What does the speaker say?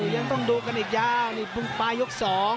ยังต้องดูกันอีกยาวนี่เพิ่งปลายยก๒